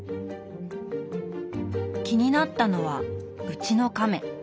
気になったのは「うちのカメ」。